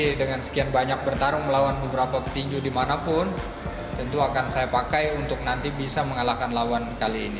jadi dengan sekian banyak bertarung melawan beberapa petinju dimanapun tentu akan saya pakai untuk nanti bisa mengalahkan lawan kali ini